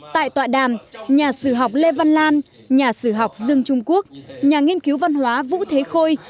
tại tọa đàm nhà sử học lê văn lan nhà sử học dương trung quốc nhà nghiên cứu văn hóa vũ thế khôi